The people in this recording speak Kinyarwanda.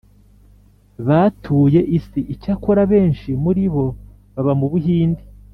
batuye isi. icyakora benshi muri abo baba mu buhindi.